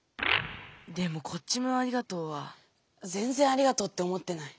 でもこっちの「ありがとう」はぜんぜんありがとうって思ってない。